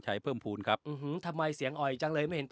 ชัยเพิ่มภูมิครับอื้อหือทำไมเสียงออยจังเลยไม่เห็น